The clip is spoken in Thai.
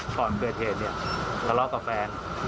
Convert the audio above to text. ก่อนเกิดเหตุเนี่ยทะเลาะกับแฟน